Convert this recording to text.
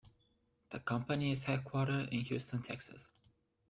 The company is headquartered in Houston, Texas.